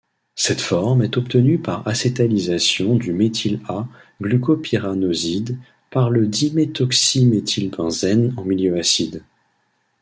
Cette forme est obtenue par acétalisation du méthyl-a--glucopyranoside par le diméthoxyméthylbenzène en milieu acide.